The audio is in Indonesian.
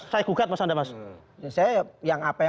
saya kukat mas andai